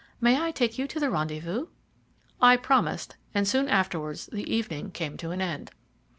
May I take you to the rendezvous?" I promised, and soon afterwards the evening came to an end.